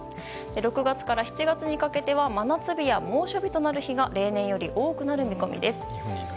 ６月から７月にかけては真夏日や猛暑日となる日が例年より多くなる見込みです。